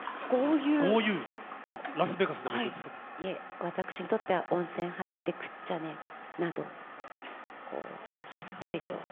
いえ、私にとっては温泉入って食っちゃ寝などしっぽりと。